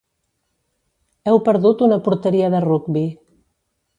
Heu perdut una porteria de rugbi.